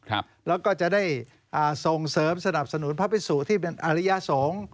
แล้วก็จะได้ส่งเสริมสนับสนุนพระพิสุที่เป็นอริยสงฆ์